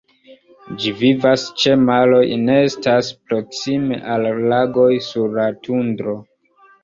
Ĝi vivas ĉe maroj, nestas proksime al lagoj, sur la tundro.